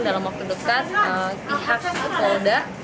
dalam waktu dekat pihak polda